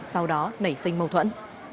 sau đó nảy sinh mâu thuẫn